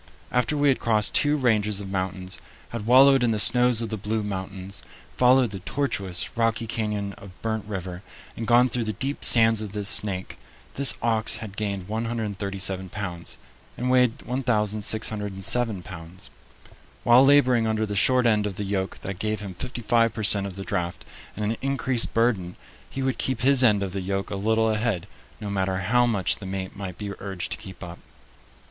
After we had crossed two ranges of mountains, had wallowed in the snows of the Blue Mountains, followed the tortuous, rocky canyon of Burnt River, and gone through the deep sands of the Snake, this ox had gained 137 pounds, and weighed 1607 pounds. While laboring under the short end of the yoke that gave him fifty five per cent of the draft and an increased burden, he would keep his end of the yoke a little ahead, no matter how much the mate might be urged to keep up.